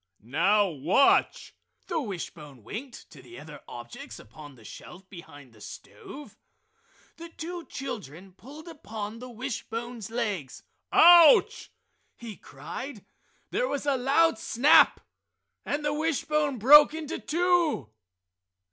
"Now watch!" the wishbone winked to the objects upon the shelf behind the stove. The two children pulled upon the wishbone's legs. "Ouch!" he cried. There was a loud snap, and the wishbone broke in two.